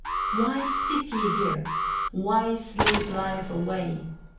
2. "Why sit ye here? why sleep life away?